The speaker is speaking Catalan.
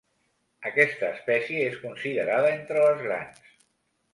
Aquesta espècie és considerada entre les grans.